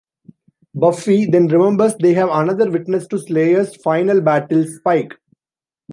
Buffy then remembers they have another witness to Slayers' final battles: Spike.